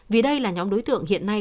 vì đây là nhóm đối tượng hiện nay